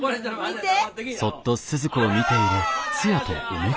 見て！